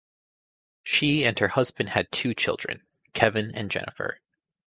She and her husband had two children, Kevin and Jennifer.